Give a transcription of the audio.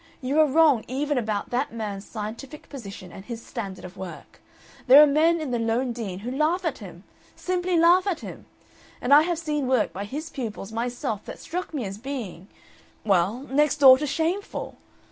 You are wrong even about that man's scientific position and his standard of work. There are men in the Lowndean who laugh at him simply laugh at him. And I have seen work by his pupils myself that struck me as being well, next door to shameful.